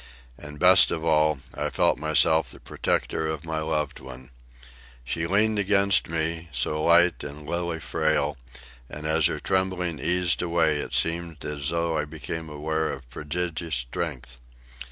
And, best of all, I felt myself the protector of my loved one. She leaned against me, so light and lily frail, and as her trembling eased away it seemed as though I became aware of prodigious strength.